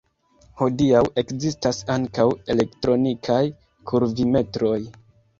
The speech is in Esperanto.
Hodiaŭ ekzistas ankaŭ elektronikaj kurvimetroj.